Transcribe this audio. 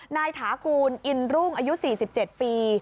ถากูลอินรุ่งอายุ๔๗ปี